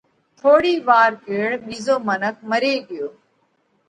ٿوڙِي وار ڪيڙ ٻِيزو منک مري ڳيو۔